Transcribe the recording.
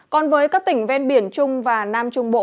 còn với các tỉnh ven biển trung và nam trung bộ